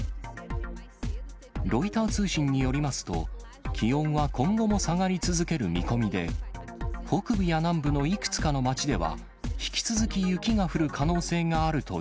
ロイター通信によりますと、気温は今後も下がり続ける見込みで、北部や南部のいくつかの町では、引き続き雪が降る可能性があると